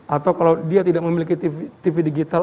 atau kalau dia tidak memiliki tv digital